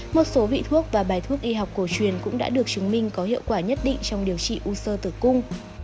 một số vị thuốc và bài thuốc y học cổ truyền cũng đã được chứng minh có hiệu quả nhất định trong điều trị u sơ tử cung